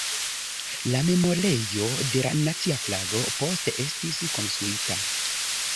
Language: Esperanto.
La Memorejo de la Nacia Flago poste estis konstruita.